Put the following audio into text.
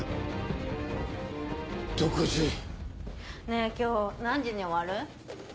ねぇ今日何時に終わる？